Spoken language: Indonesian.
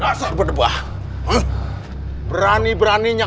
ini salah paham rompong